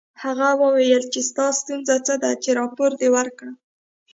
هغه وویل چې ستا ستونزه څه ده چې راپور دې ورکړ